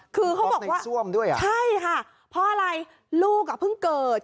คือเขาบอกว่าใช่ค่ะเพราะอะไรลูกเพิ่งเกิด